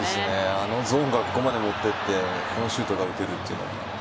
あのゾーンからここまで持っていってこのシュートが打てるというのは。